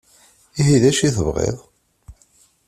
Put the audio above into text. Ihi d acu i tebɣiḍ?